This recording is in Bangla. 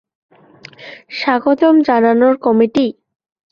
স্বাগতম জানানোর কমিটি?